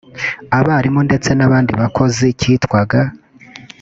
abarimu ndetse n’abandi bakozi cyitwaga